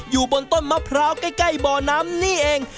อยู่บนต้นมะพร้าวใกล้บ่อน้ำนี่เอง